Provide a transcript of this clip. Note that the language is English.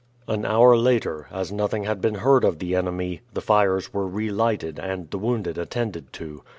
An hour later, as nothing had been heard of the enemy, the fires were relighted and the wounded attended to.